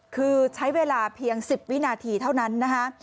คือใช้เวลาเพียง๑๐วินาทีเท่านั้นนะคะ